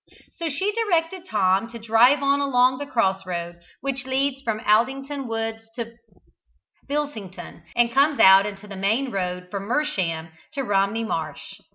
So she directed Tom to drive on along the cross road which leads from the Aldington woods to Bilsington, and comes out into the main road from Mersham to Romney Marsh.